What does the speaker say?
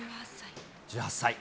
１８歳。